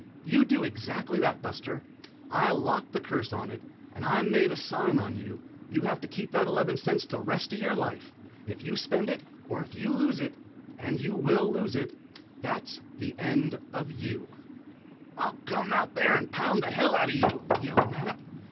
"You do exactly that, Buster. I locked the curse on it, and I made the sign on you, and you have to keep that eleven cents the rest of your life. If you spend it or if you lose it, and you will lose it that's the end of you." "I'll come out there and pound the hell out of you!" yelled Mattup.